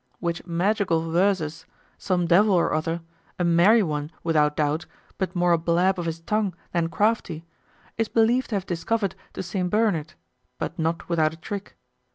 Which magical verses some devil or other, a merry one without doubt but more a blab of his tongue than crafty, is believed to have discovered to St. Bernard, but not without a trick.